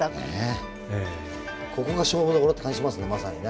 ここが勝負どころって感じしますねまさにね。